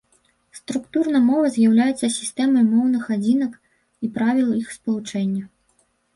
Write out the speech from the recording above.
Структурна мова з'яўляецца сістэмай моўных адзінак і правіл іх спалучэння.